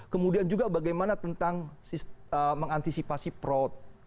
kemudian juga bagaimana tentang mengantisipasi fraud